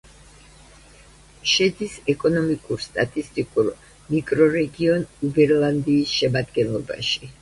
შედის ეკონომიკურ-სტატისტიკურ მიკრორეგიონ უბერლანდიის შემადგენლობაში.